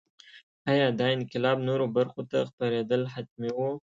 ایا دا انقلاب نورو برخو ته خپرېدل حتمي وو.